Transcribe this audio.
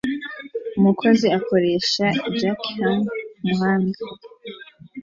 Umukozi akoresha jackhammer kumuhanda